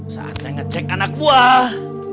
saatnya ngecek anak buah